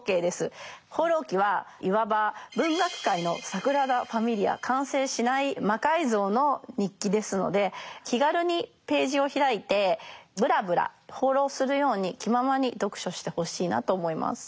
「放浪記」はいわば完成しない魔改造の日記ですので気軽にページを開いてブラブラ放浪するように気ままに読書してほしいなと思います。